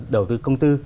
đầu tư công tư